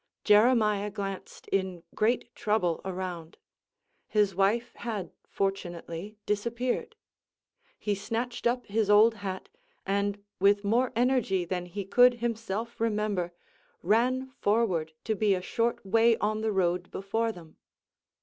Jeremiah glanced in great trouble around. His wife had fortunately disappeared; he snatched up his old hat, and with more energy than he could himself remember, ran forward to be a short way on the road before them.